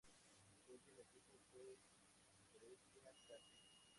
Su último equipo fue Brescia Calcio.